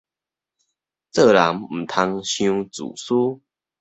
做人毋通傷自私